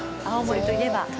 青森といえば。